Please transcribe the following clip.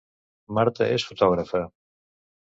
Marta és fotògrafa